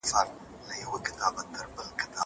زه له سهاره سندري اورم!!